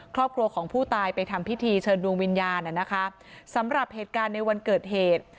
ครอบครัวของผู้ตายไปทำพิธีเชิญดวงวิญญาณนะคะสำหรับเหตุการณ์ในวันเกิดเหตุ